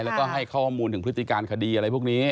แล้วก็ให้ข้อมูลถึงพฤติการคดีอะไรพวกนี้